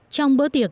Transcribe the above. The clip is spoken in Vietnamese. trong bữa tiệc